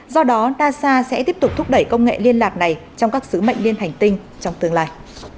do đó nasa sẽ tiếp tục thúc đẩy công nghệ liên lạc này trong các sứ mệnh liên hành tinh trong tương lai